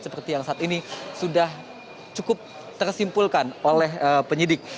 seperti yang saat ini sudah cukup tersimpulkan oleh penyidik